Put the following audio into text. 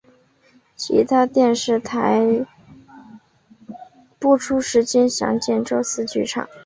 其他电视台播出时间详见周四剧场。